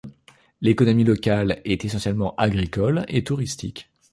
L'économie locale est essentiellement agricole et touristique.